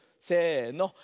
せの。